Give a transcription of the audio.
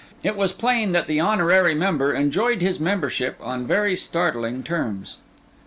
It was plain that the honorary member enjoyed his membership on very startling terms.